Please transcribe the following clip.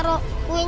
ya aku mau makan